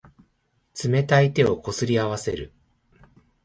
冷たい手をこすり合わせる。